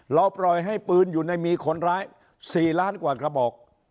ปล่อยให้ปืนอยู่ในมีคนร้าย๔ล้านกว่ากระบอก